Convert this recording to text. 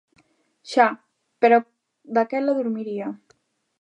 Xa, pero daquela durmiría.